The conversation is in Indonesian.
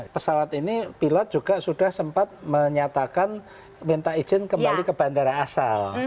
pesawat ini pilot juga sudah sempat menyatakan minta izin kembali ke bandara asal